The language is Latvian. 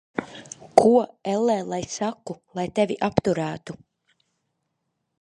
Ko, ellē, lai saku, lai tevi apturētu?